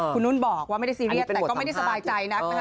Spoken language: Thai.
คุณนุ่นบอกว่าไม่ได้ซีเรียสแต่ก็ไม่ได้สบายใจนักนะคะ